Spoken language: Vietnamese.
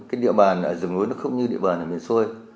cái địa bàn ở rừng núi nó không như địa bàn ở miền xôi